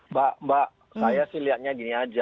mbak mbak saya sih lihatnya gini aja